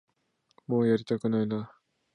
もうやりたくないな